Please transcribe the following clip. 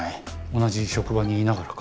同じ職場にいながらか？